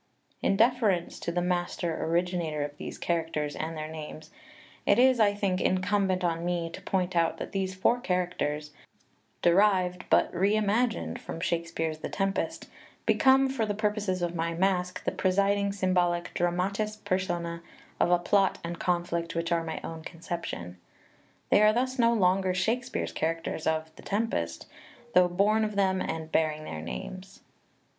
In deference to the master originator of these charac ters and their names, it is, I think, incumbent on me to point out that these four characters, derived but re imagined from Shakespeare's "The Tempest," be come, for the purposes of my Masque, the presiding symbolic Dramatis Persona of a plot and conflict which are my own conception. They are thus no longer Shake speare's characters of "The Tempest," though born of them and bearing their names.